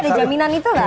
tapi ada jaminan itu gak